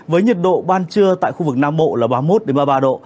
với nhiệt độ ban trưa tại khu vực nam bộ là ba mươi một ba mươi ba độ